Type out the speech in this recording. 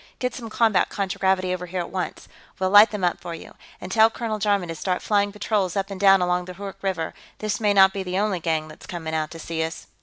Get some combat contragravity over here, at once. We'll light them up for you. And tell Colonel Jarman to start flying patrols up and down along the Hoork River; this may not be the only gang that's coming out to see us."